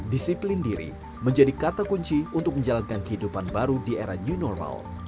disiplin diri menjadi kata kunci untuk menjalankan kehidupan baru di era new normal